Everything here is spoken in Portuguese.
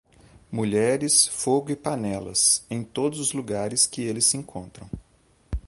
Mulheres, fogo e panelas, em todos os lugares que eles se encontram.